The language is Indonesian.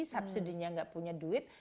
subsidi nya nggak punya duit